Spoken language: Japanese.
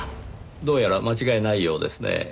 どうやら間違いないようですねぇ。